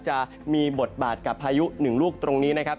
จะมีบทบาทกับพายุหนึ่งลูกตรงนี้นะครับ